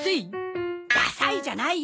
「ダサい」じゃないよ！